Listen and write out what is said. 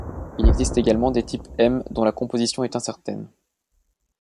Il existe également des types M dont la composition est incertaine.